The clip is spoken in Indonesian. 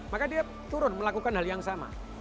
maka dia turun melakukan hal yang sama